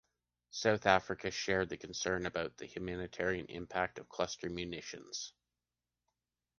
South Africa shared the concern about the humanitarian impact of cluster munitions.